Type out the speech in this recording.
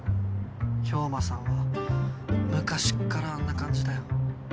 兵馬さんは昔っからあんな感じだよ。